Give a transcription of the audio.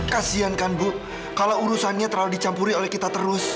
kasian kan bu kalau urusannya terlalu dicampuri oleh kita terus